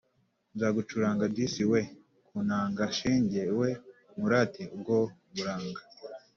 Nzagucuranga disi we Ku nanga shenge we Nkurate ubwo buranga.